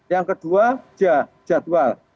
yang kedua jadwal